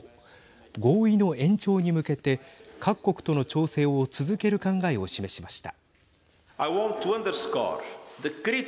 合意の延長に向けて各国との調整を続ける考えを示しました。